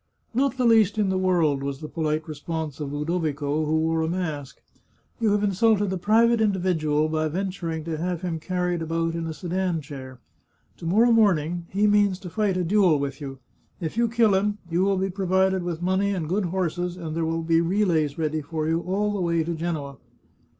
" Not the least in the world," was the polite response of Ludovico, who wore a mask. " You have insulted a private individual by venturing to have him carried about in a sedan chair. To morrow morning he means to fight a duel 248 The Chartreuse of Parma with you. If you kill him, you will be provided with money and good horses, and there will be relays ready for you all the way to Genoa."